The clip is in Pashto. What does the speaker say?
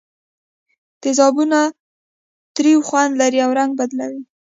تیزابونه تریو خوند لري او رنګ بدلوي.